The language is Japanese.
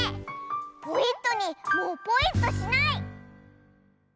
ポイットニーもうポイっとしない！